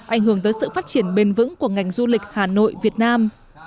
ảnh hưởng tới sự phát triển bền vững của ngành du lịch hà nội việt nam